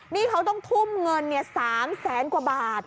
นี่เขาต้องทุ่มเงิน๓แสนกว่าบาท